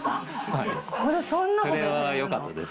これ、そんなよかった？